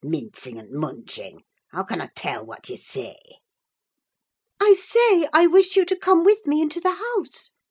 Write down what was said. Mincing un' munching! How can I tell whet ye say?" "I say, I wish you to come with me into the house!"